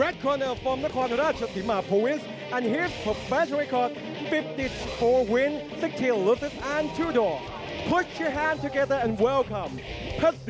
อย่างที่บอกครับคนบ้านเดียวกันเจอกันวันนี้สนุกแน่นอนนะครับ